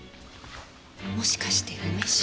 もしかして梅酒？